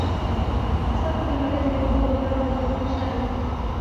فَصَارَ كَالْمَرِيضِ الَّذِي هُوَ بِمَرَضِهِ مُتَشَاغِلٌ